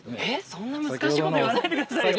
そんな難しいこと言わないでくださいよ。